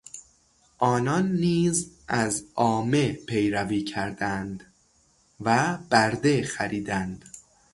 آنان نیز از عامه پیروی کردند و برده خریدند.